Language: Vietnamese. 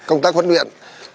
công tác huấn luyện